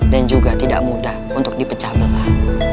dan juga tidak mudah untuk dipecah belah